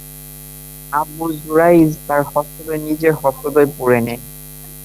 আবু যুরাইয তার হস্তদ্বয় নিজের হস্তদ্বয়ে পুরে নেয়।